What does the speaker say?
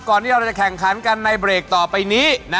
ก่อนที่เราจะแข่งขันกันในเบรกต่อไปนี้